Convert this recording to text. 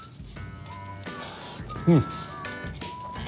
うん。